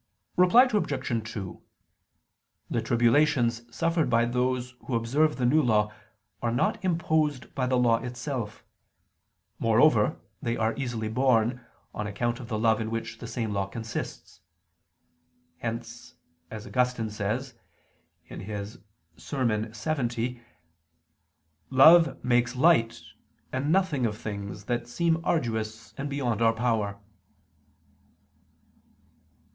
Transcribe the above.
Reply Obj. 2: The tribulations suffered by those who observe the New Law are not imposed by the Law itself. Moreover they are easily borne, on account of the love in which the same Law consists: since, as Augustine says (De Verb. Dom., Serm. lxx), "love makes light and nothing of things that seem arduous and beyond our power."